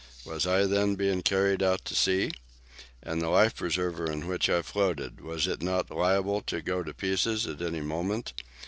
Was I, then, being carried out to sea? And the life preserver in which I floated? Was it not liable to go to pieces at any moment?